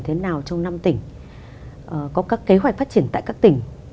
thế nào trong năm tỉnh có các kế hoạch phát triển tại các tỉnh